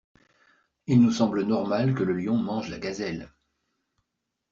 Il nous semble normal que le lion mange la gazelle.